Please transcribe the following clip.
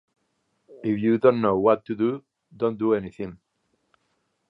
If you don't know what to do, don't do anything.